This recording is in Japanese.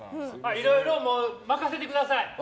いろいろ、任せてください。